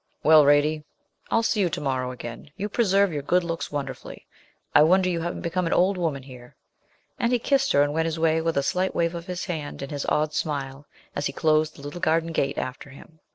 'Well, Radie, I'll see you to morrow again. You preserve your good looks wonderfully. I wonder you haven't become an old woman here.' And he kissed her, and went his way, with a slight wave of his hand, and his odd smile, as he closed the little garden gate after him.